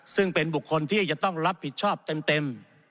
ซึ่งเป็นบุคคลที่จะต้องรับผิดชอบเต็ม